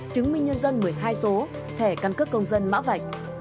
chứng minh nhân dân một mươi hai số thẻ căn cước công dân mã vạch